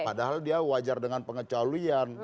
padahal dia wajar dengan pengecalian